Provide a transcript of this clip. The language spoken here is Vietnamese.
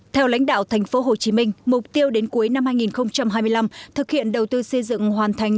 theo lãnh đạo tp hcm mục tiêu đến cuối năm hai nghìn hai mươi năm thực hiện đầu tư xây dựng hoàn thành